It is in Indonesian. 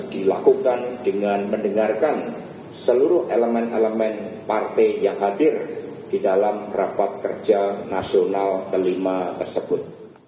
di dalam rapat kerja nasional kelima tersebut